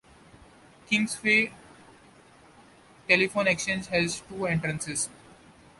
Kingsway Telephone Exchange has two entrances.